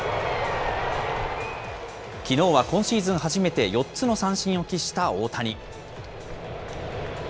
きのうは今シーズン初めて４つの三振を喫した大谷。